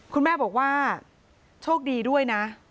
คุณแม่บอกว่าโชคดีด้วยนะ